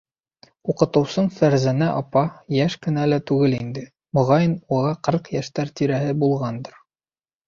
Уҡытыусым Фәрзәнә апа йәш кенә лә түгел инде, моғайын, уға ҡырҡ йәштәр тирәһе булғандыр.